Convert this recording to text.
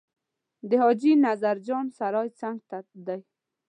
د حاجي نظر جان سرای څنګ ته دی.